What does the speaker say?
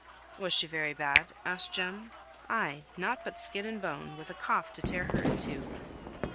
"Was she very bad?" asked Jem. "Ay! nought but skin and bone, with a cough to tear her in two."